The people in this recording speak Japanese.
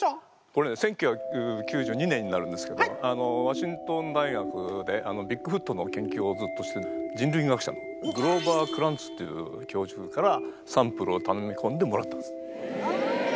これね１９９２年になるんですけどワシントン大学でビッグフットの研究をずっとしてる人類学者グローバー・クランツっていう教授からサンプルをたのみこんでもらったんです。